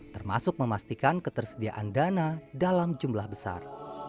termasuk memastikan ketersediaan dana dalam jumlah besar